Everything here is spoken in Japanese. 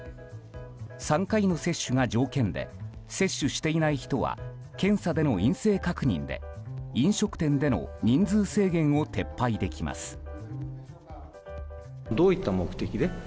３回の接種が条件で接種していない人は検査での陰性確認で飲食店での人数制限を撤廃できます。